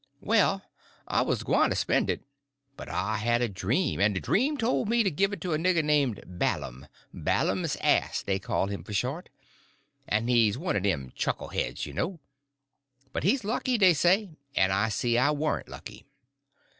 "Well, I 'uz gwyne to spen' it, but I had a dream, en de dream tole me to give it to a nigger name' Balum—Balum's Ass dey call him for short; he's one er dem chuckleheads, you know. But he's lucky, dey say, en I see I warn't lucky.